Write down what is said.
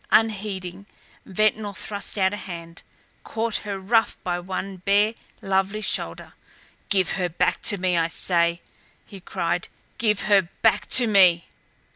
Unheeding, Ventnor thrust out a hand, caught her roughly by one bare, lovely shoulder. "Give her back to me, I say!" he cried. "Give her back to me!"